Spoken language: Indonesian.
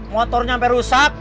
motornya sampai rusak